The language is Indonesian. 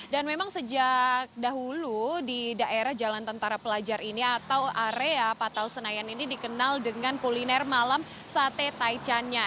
dan memang sejak dahulu di daerah jalan tentara pelajar ini atau area patal senayan ini dikenal dengan kuliner malam sate taichannya